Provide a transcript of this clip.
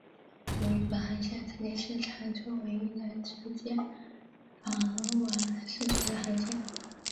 由于本航线曾经是长洲唯一能直接往返市区的航线。